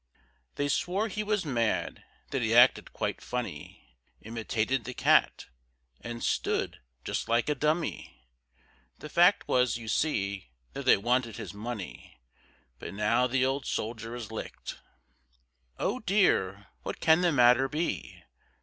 They swore he was mad, that he acted quite funny, Imitated the cat, and stood just like a dummy, The fact was, you see, that they wanted his money, But now the old soldier is licked. Oh, dear! what can the matter be?